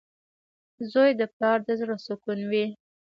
• زوی د پلار د زړۀ سکون وي.